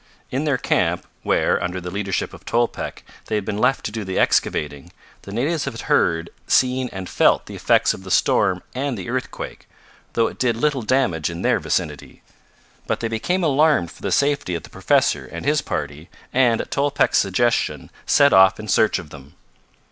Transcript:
In their camp, where, under the leadership of Tolpec they had been left to do the excavating, the natives had heard, seen and felt the effects of the storm and the earthquake, though it did little damage in their vicinity. But they became alarmed for the safety of the professor and his party and, at Tolpec's suggestion, set off in search of them.